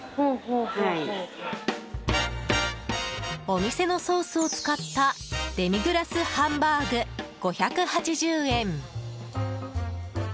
お店のソースを使ったデミグラスハンバーグ、５８０円。